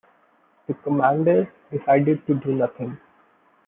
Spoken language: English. The commander decided to do nothing.